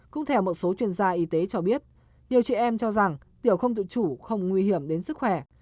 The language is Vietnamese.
cũng theo một số chuyên gia y tế cho biết nhiều trẻ em cho rằng tiểu không dự trù không nguy hiểm đến sức khỏe